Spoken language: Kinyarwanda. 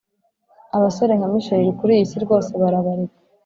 abasore nka michel kuriyisi rwose barabarika